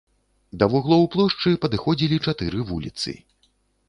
Да вуглоў плошчы падыходзілі чатыры вуліцы.